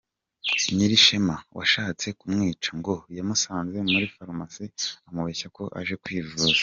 Nyirishema, washatse kumwica, ngo yamusanze muri farumasi amubeshya ko aje kwivuza.